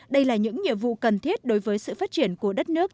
đây là những nhiệm vụ cần thiết đối với sự phát triển của đất nước